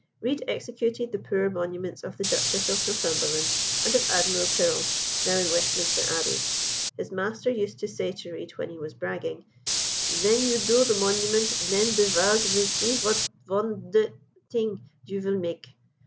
Read executed the poor monuments of the Duchess of Northumberland and of Admiral Tyrrell, now in Westminster Abbey. His master used to say to Read when he was bragging, "Ven you do de monument, den de varld vill see vot von d ting you vill make."